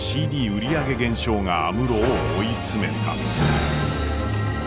売り上げ減少が安室を追い詰めた。